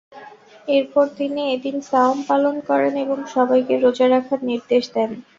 এরপর তিনি এদিন সাওম পালন করেন এবং সবাইকে রোজা রাখার নির্দেশ দেন।